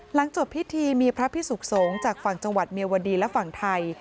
หลังจบพิธีมีพระพิสุขสงฆ์จากฝั่งจังหวัดเมียวดีและฝั่งไทย